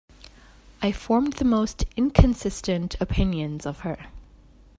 I formed the most inconsistent opinions of her.